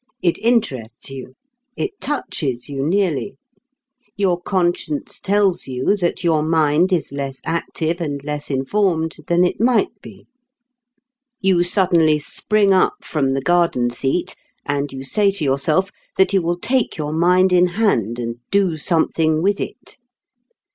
It interests you. It touches you nearly. Your conscience tells you that your mind is less active and less informed than it might be. You suddenly spring up from the garden seat, and you say to yourself that you will take your mind in hand and do something with it.